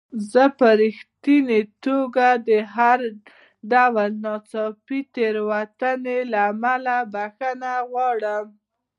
زه په رښتینې توګه د هر ډول ناڅاپي تېروتنې له امله بخښنه غواړم.